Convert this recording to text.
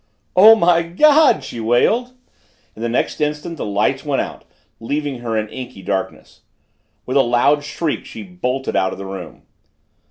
"Oh, my God!" she wailed, and the next instant the lights went out, leaving her in inky darkness. With a loud shriek she bolted out of the room.